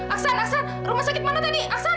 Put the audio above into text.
aksan aksan rumah sakit mana tadi